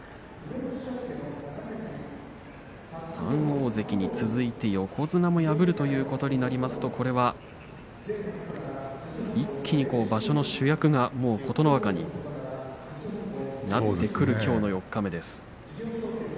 ３大関に続いて横綱をも破るということになりますとこれは一気に場所の主役が琴ノ若になってくる、きょうの四日目です。